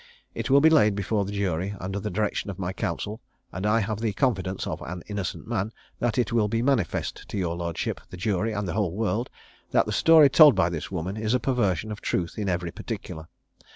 It will be laid before the jury, under the direction of my counsel; and I have the confidence of an innocent man, that it will be manifest to your lordship, the jury, and the whole world, that the story told by this woman is a perversion of truth in every particular.